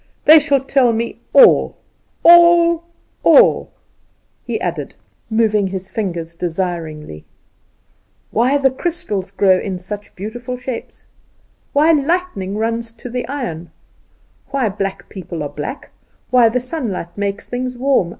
They shall tell me all, all, all," he added, moving his fingers desiringly: "why the crystals grow in such beautiful shapes; why lightning runs to the iron; why black people are black; why the sunlight makes things warm.